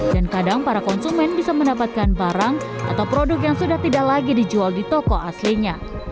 dan kadang para konsumen bisa mendapatkan barang atau produk yang sudah tidak lagi dijual di toko aslinya